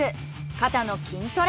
肩の筋トレ。